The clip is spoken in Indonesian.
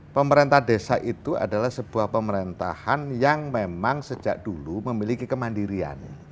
pemerintah desa itu adalah sebuah pemerintahan yang memang sejak dulu memiliki kemandirian